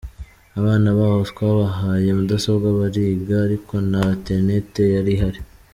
Abana baho twabahaye mudasobwa bariga, ariko nta internet yari ihari.”